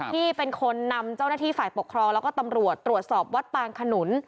ที่เป็นคนนำเจ้าหน้าที่ฝ่ายปกครองแล้วก็ตำรวจตรวจสอบวัดปางขนุน